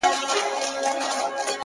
• د پښتو ژبي په کلاسیک ادب کي یې -